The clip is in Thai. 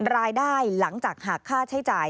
รายได้หลังจากหักค่าใช้จ่าย